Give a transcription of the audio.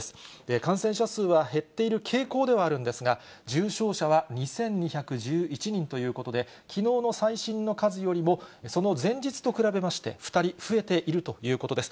感染者数は減っている傾向ではあるんですが、重症者は２２１１人ということで、きのうの最新の数よりもその前日と比べまして２人増えているということです。